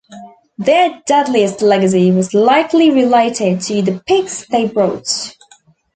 Their deadliest legacy was likely related to the pigs they brought.